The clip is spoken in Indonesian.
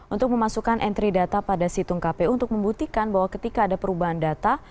untuk memasukkan entry data pada situng kpu untuk membuktikan bahwa ketika ada perubahan data